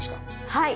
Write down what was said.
はい。